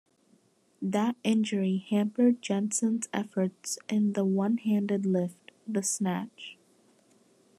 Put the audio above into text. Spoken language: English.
That injury hampered Jensen's efforts in the one-handed lift, the snatch.